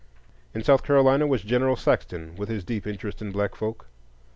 In South Carolina was General Saxton, with his deep interest in black folk.